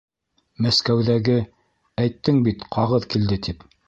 Мәскәүҙәге... әйттең бит, ҡағыҙ килде тип.